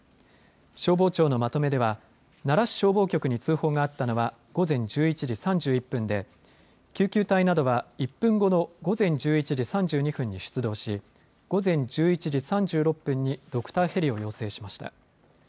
消防庁のまとめでは奈良市消防局に通報があったのは午前１１時３１分で救急隊などは１分後の午前１１時３２分に出動し午前１１時３６分にドクターヘリを要請しました。